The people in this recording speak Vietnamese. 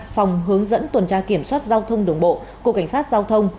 phòng hướng dẫn tuần tra kiểm soát giao thông đường bộ của cảnh sát giao thông